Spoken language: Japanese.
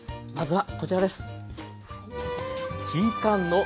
まずはこちらです。